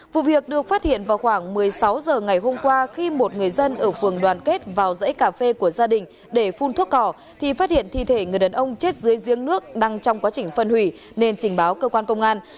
vụ việc được phát hiện vào khoảng một mươi sáu h ngày hôm qua khi một người dân ở phường đoàn kết vào dãy cà phê của gia đình để phun thuốc cỏ thì phát hiện thi thể người đàn ông chết dưới giếng nước đang trong quá trình phân hủy nên trình báo cơ quan công an